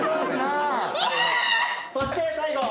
そして最後。